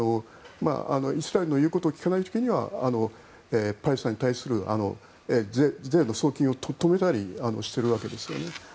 イスラエルの言うことを聞かない時にはパレスチナに対する税の送金を止めたりしているわけですからね。